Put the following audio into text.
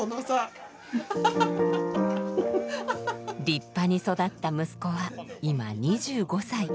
立派に育った息子は今２５歳。